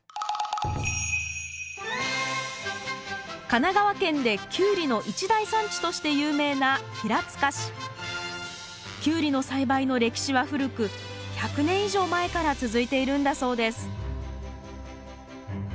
神奈川県でキュウリの一大産地として有名なキュウリの栽培の歴史は古く１００年以上前から続いているんだそうです